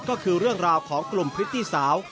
ก็คือเรื่องราวของกลุ่มพริตตี้สาว